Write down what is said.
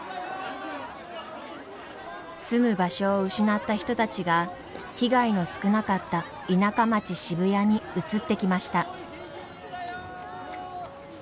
住む場所を失った人たちが被害の少なかった田舎町渋谷に移ってきました。